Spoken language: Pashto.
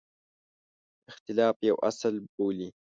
اختلاف یو اصل بولي.